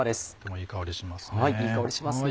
いい香りしますね。